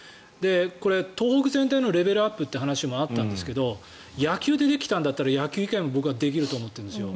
これ、東北全体のレベルアップという話もあったんですけど野球でできたんだったら野球以外でも僕はできると思っているんです。